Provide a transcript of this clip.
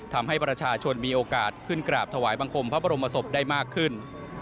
ทำให้ประชาชนมีโอกาสขึ้นกราบถวายบังคมพระบรมศพได้มากขึ้น